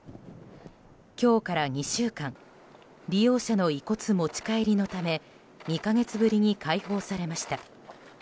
今日から２週間利用者の遺骨持ち帰りのため２か月ぶりに開放されました。